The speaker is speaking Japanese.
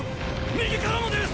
右からもです！